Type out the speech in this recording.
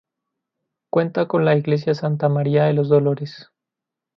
Cuenta con la iglesia Santa María de los Dolores.